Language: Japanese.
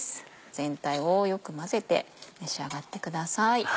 全体をよく混ぜて召し上がってください。